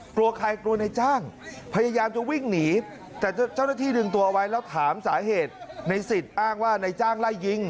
กลัวใครกลัวในจ้างพยายามจะวิ่งหนีแต่เจ้าหน้าที่ดึงตัวเอาไว้แล้วถามสาเหตุในสิทธิ์อ้างว่านายจ้างไล่ยิง